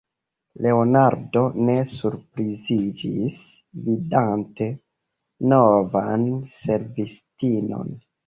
Leonardo ne surpriziĝis, vidante novan servistinon.